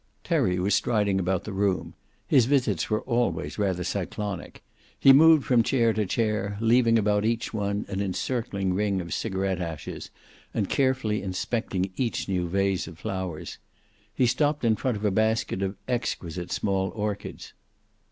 Terry was striding about the room. His visits were always rather cyclonic. He moved from chair to chair, leaving about each one an encircling ring of cigaret ashes, and carefully inspecting each new vase of flowers. He stopped in front of a basket of exquisite small orchids.